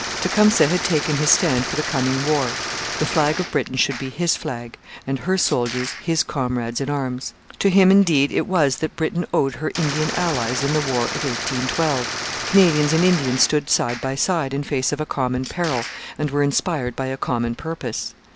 Tecumseh had taken his stand for the coming war: the flag of Britain should be his flag, and her soldiers his comrades in arms. To him, indeed, it was that Britain owed her Indian allies in the War of 1812. Canadians and Indians stood side by side in face of a common peril and were inspired by a common purpose.